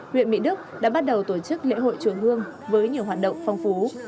huyện mỹ đức đã bắt đầu tổ chức lễ hội chùa hương với nhiều hoạt động phong phú